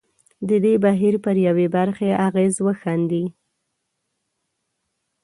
د دې بهیر پر یوې برخې اغېز وښندي.